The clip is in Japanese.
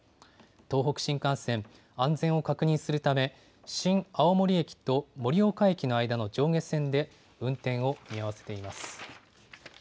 東北新幹線、安全を確認するため、新青森駅と盛岡駅の間の上下線で、運転を見合わせています。